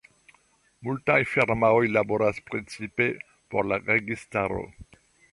Multaj firmaoj laboras precipe por la registaro.